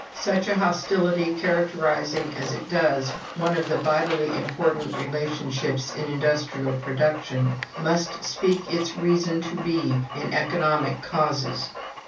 Such a hostility, characterizing as it does one of the vitally important relationships in industrial production, must seek its reason to be in economic causes.